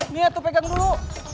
nih atu pegang dulu